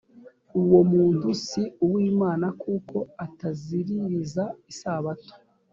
uwo muntu si uw’imana kuko ataziririza isabato